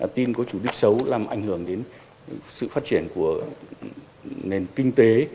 tin có chủ đích xấu làm ảnh hưởng đến sự phát triển của nền kinh tế